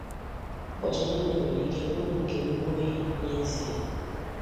Ụbọchị niile nwere ike bụrụ nke onye ohi n'ezie